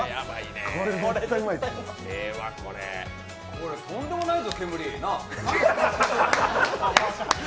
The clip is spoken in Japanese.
これとんでもないぞ、ケムリなあ。